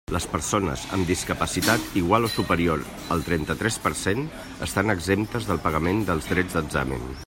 Les persones amb discapacitat igual o superior al trenta-tres per cent, estan exemptes del pagament dels drets d'examen.